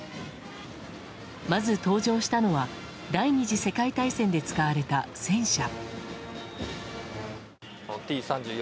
まず登場したのは第２次世界大戦で使われた戦車。